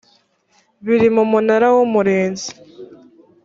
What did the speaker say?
biri mu munara w umurinzi